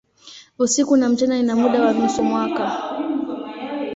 Usiku na mchana ina muda wa nusu mwaka.